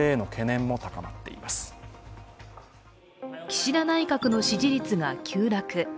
岸田内閣の支持率が急落。